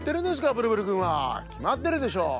ブルブルくんは。きまってるでしょ。